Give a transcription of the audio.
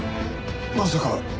まさか。